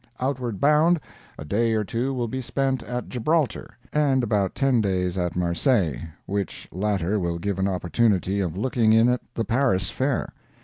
Outward bound, a day or two will be spent at Gibraltar, and about ten days at Marseilles, which latter will give an opportunity of looking in at the Paris fair.